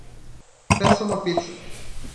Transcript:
Peça uma pizza.